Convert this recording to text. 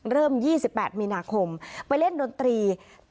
เริ่ม๒๘มีนาคมไปเล่นดนตรี